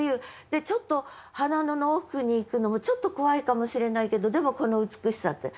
でちょっと花野の奥に行くのもちょっと怖いかもしれないけどでもこの美しさって。